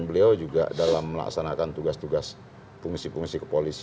beliau juga dalam melaksanakan tugas tugasnya yang terakhir ini ya itu adalah pengalaman yang terakhir ini